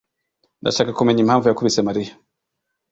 Ndashaka kumenya impamvu yakubise Mariya.